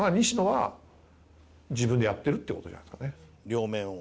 「両面を」